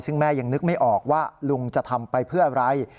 ซึ่งแม่ยังนึกไม่ออกว่าลุงจะทำไปเพื่ออะไร